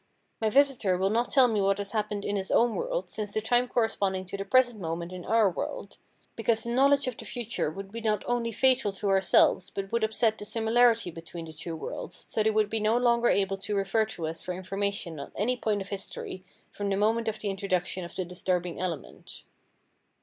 My visitor will not tell me what has happened in his own world since the time corresponding to the present moment in our world, because the knowledge of the future would be not only fatal to ourselves but would upset the similarity between the two worlds, so they would be no longer able to refer to us for information on any point of history from the moment of the introduction of the disturbing element.